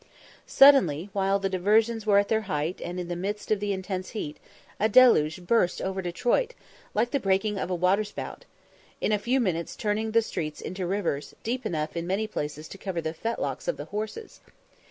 Suddenly, while the diversions were at their height, and in the midst of the intense heat, a deluge burst over Detroit, like the breaking of a waterspout, in a few minutes turning the streets into rivers, deep enough in many places to cover the fetlocks of the horses.